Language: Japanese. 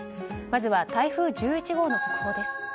まずは台風１１号の速報です。